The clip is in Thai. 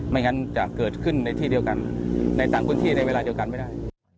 ไม่งั้นจะเกิดขึ้นในที่เดียวกันในต่างพื้นที่ในเวลาเดียวกันไม่ได้